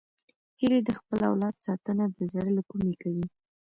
هیلۍ د خپل اولاد ساتنه د زړه له کومي کوي